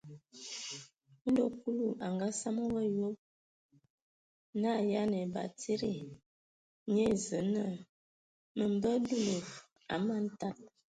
Ndɔ Kulu a ngasam wɔ a yob, nə a ayan ai batsidi, nye ai Zǝə naa: mbembe dulu, a man tad.